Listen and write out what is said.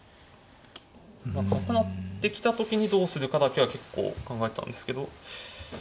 角成ってきた時にどうするかだけは結構考えたんですけど。